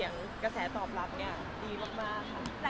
ยังไงแล้วปลุกภูมิใจนะคะ